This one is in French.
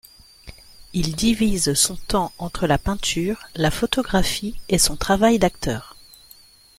Il divise son temps entre la peinture, la photographie et son travail d'acteur.